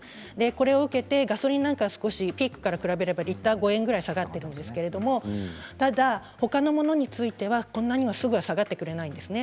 これを受けてガソリンなんかは少しピークから比べるとリッター５円ぐらい下がっているんですけれどもただ他のものについてはこんなにはすぐに下がってくれないんですね。